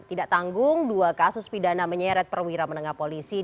tidak tanggung dua kasus pidana menyeret perwira menengah polisi